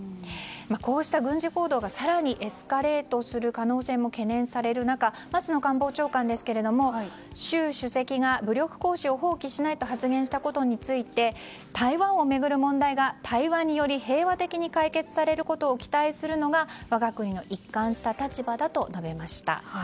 こうした軍事行動が更にエスカレートされる可能性が懸念される中松野官房長官ですけども習主席が武力行使を放棄しないと発言したことについて台湾を巡る問題が、対話により平和的に解決されることを期待するのが我が国の一貫した立場だと強調しました。